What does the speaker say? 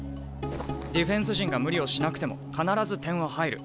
ディフェンス陣が無理をしなくても必ず点は入る。